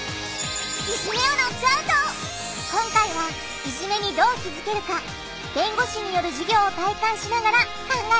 今回はいじめにどう気づけるか弁護士による授業を体感しながら考えていくよ